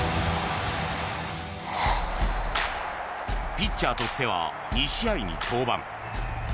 ピッチャーとしては２試合に登板。